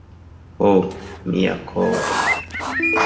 Ho mia kor'